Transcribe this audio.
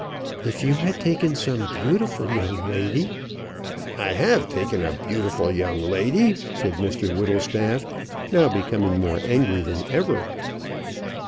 "If you had taken some beautiful young lady " "I have taken a beautiful young lady," said Mr Whittlestaff, now becoming more angry than ever.